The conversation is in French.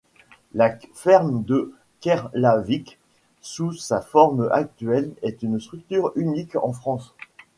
La Ferme de Kerlavic sous sa forme actuelle est une structure unique en France.